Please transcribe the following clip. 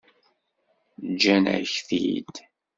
Ǧǧan-ak-t-id.